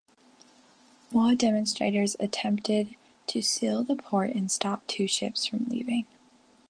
More demonstrators attempted to seal the port and stop two ships from leaving.